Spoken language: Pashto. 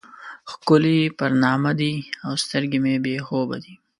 ښکلي پر نارامه دي او سترګې مې بې خوبه دي.